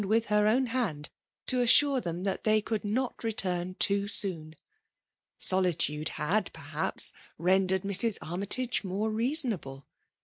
with her own liaiid, to assure tliem thai they conld Bot return too soon. Solitude had, perhaps^ rendered Mrs. Armytage more reasonable.